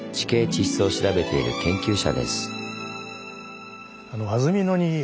地質を調べている研究者です。